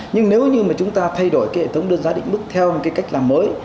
nhưng nếu như mà chúng ta thay đổi cái hệ thống đơn giá định mức theo một cái cách làm mới